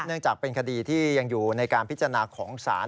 เนื่องจากเป็นคดีที่ยังอยู่ในการพิจารณาของศาล